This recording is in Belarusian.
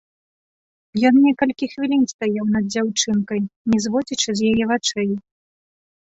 Ён некалькі хвілін стаяў над дзяўчынкай, не зводзячы з яе вачэй.